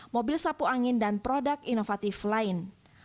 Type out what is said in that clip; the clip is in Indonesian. mobil sapu angin dan produk inovatif lain